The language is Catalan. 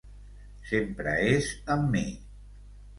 Sempre és amb mi...